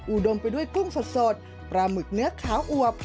ดมไปด้วยกุ้งสดปลาหมึกเนื้อขาวอวบ